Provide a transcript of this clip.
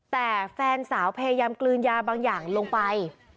แต่แฟนสาวพยายามกลืนยาบางอย่างลงไป